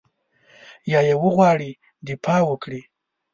یا یې وغواړي دفاع وکړي.